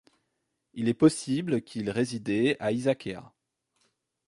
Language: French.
Il est possible qu'il résidait à Isaccea.